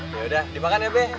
yaudah dimakan ya be